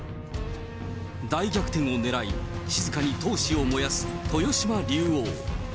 大逆転をねらい、静かに闘志を燃やす豊島竜王。